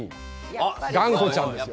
あっ「がんこちゃん」ですよ。